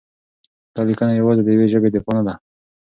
دا لیکنه یوازې د یوې ژبې دفاع نه ده؛